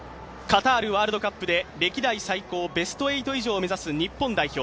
カタールワールドカップで歴代最高ベスト８以上を目指す日本代表。